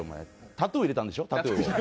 タトゥー入れたんでしょ、タトゥーを。